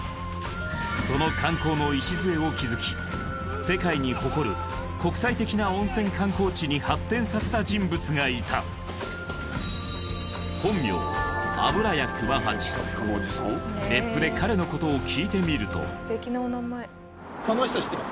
その観光の礎を築き世界に誇る国際的な温泉観光地に発展させた人物がいた別府で彼の事を聞いてみるとこの人知ってます？